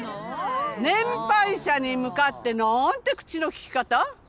年配者に向かって何て口の利き方！？